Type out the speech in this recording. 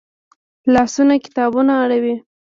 لاسونه کتابونه اړوي